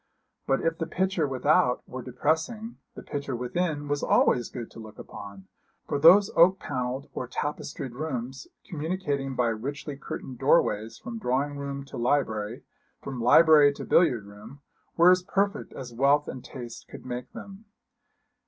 But if the picture without were depressing, the picture within was always good to look upon, for those oak panelled or tapestried rooms, communicating by richly curtained doorways from drawing room to library, from library to billiard room, were as perfect as wealth and taste could make them.